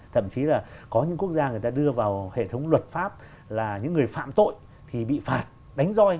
thậm chí là có những quốc gia người ta đưa vào hệ thống luật pháp là những người phạm tội thì bị phạt đánh do